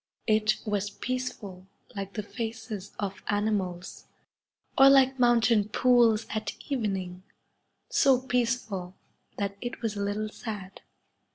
It was peaceful like the faces of animals, or like mountain pools at evening, so peaceful that it was a little sad.